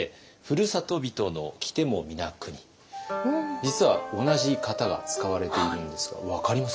実は同じ型が使われているんですが分かります？